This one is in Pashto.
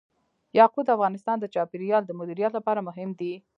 یاقوت د افغانستان د چاپیریال د مدیریت لپاره مهم دي.